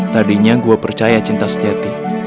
tadinya gue percaya cinta sejati